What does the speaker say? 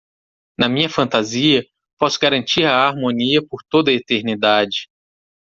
Na minha fantasia, posso garantir a harmonia por toda a eternidade.